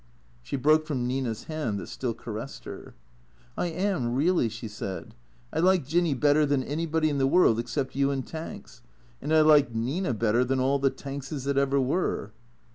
She broke from Nina's hand that still caressed her. " I am, really," she said. " I like Jinny better than anybody in the world except you and Tanks. And I like Nina better than all the Tankses that ever were."